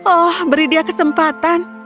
oh beri dia kesempatan